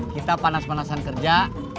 kita panas panasan kerja